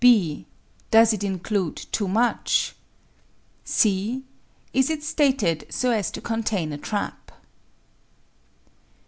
(b) Does it include too much? (c) Is it stated so as to contain a trap?